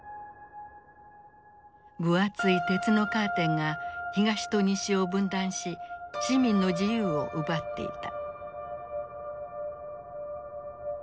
分厚い鉄のカーテンが東と西を分断し市民の自由を奪っていた。